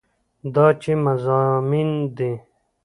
دا چې مضامين دي